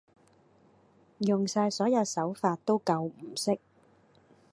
用晒所有手法都救唔熄